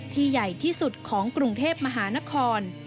ใหญ่ที่สุดของกรุงเทพมหานคร